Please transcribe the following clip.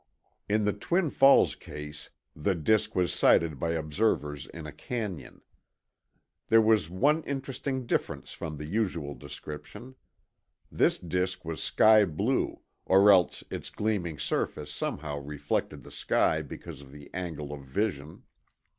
In the Twin Falls case, the disk was sighted by observers in a canyon. There was one interesting difference from the usual description. This disk was sky blue, or else its gleaming surface somehow reflected the sky because of the angle of vision.